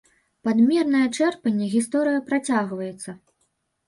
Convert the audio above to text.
Пад мернае чэрпанне гісторыя працягваецца.